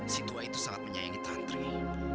si tua itu sangat menyayangi tantri